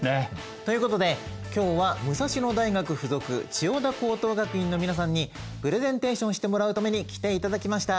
ということで今日は武蔵野大学附属千代田高等学院の皆さんにプレゼンテーションしてもらうために来ていただきました。